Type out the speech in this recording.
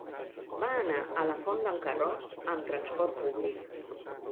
Va anar a la Font d'en Carròs amb transport públic.